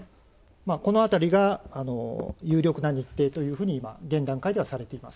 この辺りが有力な日程というふうに現段階では、されています。